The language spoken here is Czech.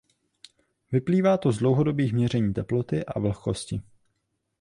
Vyplývá to z dlouhodobých měření teploty a vlhkosti.